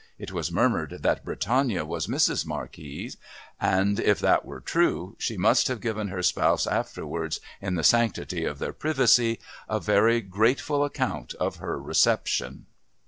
It was murmured that Britannia was Mrs. Marquis, and, if that were true, she must have given her spouse afterwards, in the sanctity of their privacy, a very grateful account of her reception.